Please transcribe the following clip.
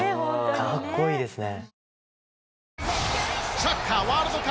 かっこいいですね。